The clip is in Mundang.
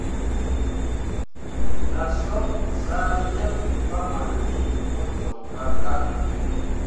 Na soɓ zah yeb pahmanlii mo joŋra ka.